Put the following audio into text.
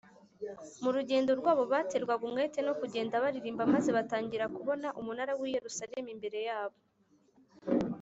. Mu rugendo rwabo, baterwaga umwete no kugenda baririmba, maze batangira kubona umunara w’i Yerusalemu imbere yabo,